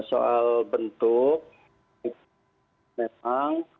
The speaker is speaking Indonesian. soal bentuk memang